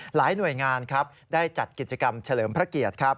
หลายหน่วยงานครับได้จัดกิจกรรมเฉลิมพระเกียรติครับ